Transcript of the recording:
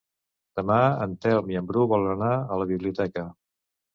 Demà en Telm i en Bru volen anar a la biblioteca.